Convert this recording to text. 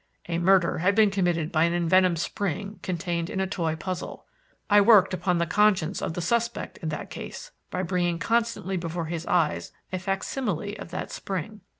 A murder had been committed by an envenomed spring contained in a toy puzzle. I worked upon the conscience of the suspect in that case, by bringing constantly before his eyes a facsimile of that spring.